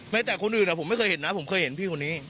แต่คนอื่นผมไม่เคยเห็นนะผมเคยเห็นพี่คนนี้